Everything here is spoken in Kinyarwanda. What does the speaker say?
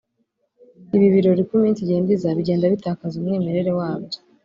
Ibi birori uko iminsi igenda iza bigenda bitakaza umwimerere wabyo